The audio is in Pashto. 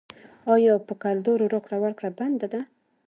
آیا په کلدارو راکړه ورکړه بنده ده؟